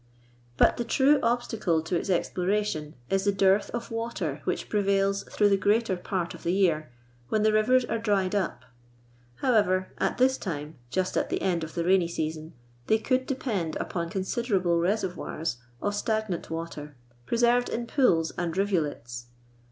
But the true obstacle to its THREE ENGLISHMEN AND THREE RUSSIANS. 71 sa> exploration is the dearth of water which prevails through the greater part of the year, when the rivers are dried up. However, at this time, just at the end of the rainy season, they could depend upon considerable reservoirs o. stagnant water, preserved in pools and rivu lets.